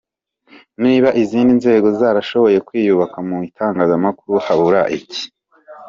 Niba izindi nzego zarashoboye kwiyubaka mu itangazamakuru habura iki?”.